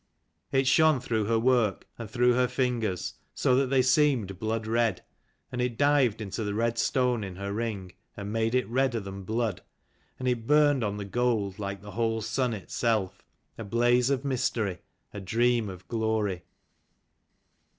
It shone through her work, and through her fingers, so that they seemed blood red : and it dived into the red stone in her ring, and made it redder than blood : and it burned on the gold like the whole sun itself, a blaze of mystery, a dream of glory.